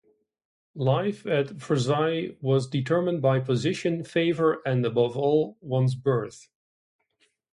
Life at Versailles was determined by position, favour, and, above all, one's birth.